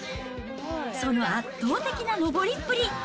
その圧倒的な登りっぷり。